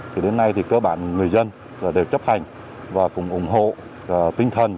thì đến nay thì các bạn người dân đều chấp hành và cùng ủng hộ tinh thần